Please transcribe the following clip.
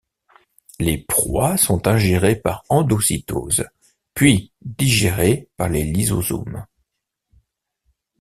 Les proies sont ingérées par endocytose, puis digérées par les lysosomes.